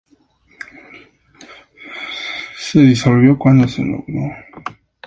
Se disolvió cuando se logró.